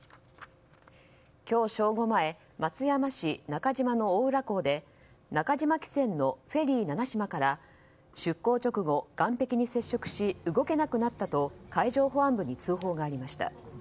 今日正午前松山市中島の大浦港で中島汽船の「フェリーななしま」から出港直後、岸壁に接触し動けなくなったと海上保安部に通報がありました。